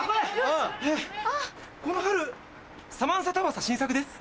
この春サマンサタバサ新作です。